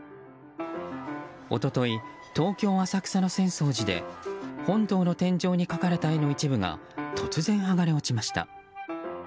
一昨日、東京・浅草の浅草寺で本堂の天井に描かれた絵の一部が突然、剥がれ落ちました。